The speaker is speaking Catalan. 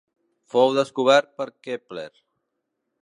Fou descobert per Kepler.